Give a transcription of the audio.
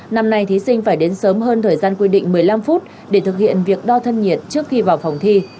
năm nay thí sinh phải đến sớm hơn thời gian quy định một mươi năm phút để thực hiện việc đo thân nhiệt trước khi vào phòng thi